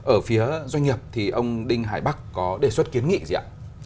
ở phía doanh nghiệp thì ông đinh hải bắc có đề xuất kiến nghị gì ạ